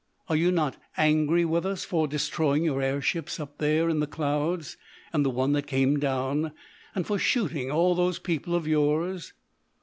Are you not angry with us for destroying your air ships up there in the clouds, and the one that came down, and for shooting all those people of yours?"